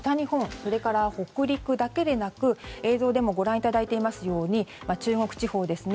それから北陸だけでなく映像でもご覧いただいていますように中国地方ですね。